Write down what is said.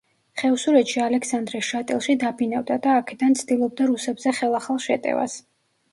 ხევსურეთში ალექსანდრე შატილში დაბინავდა და აქედან ცდილობდა რუსებზე ხელახალ შეტევას.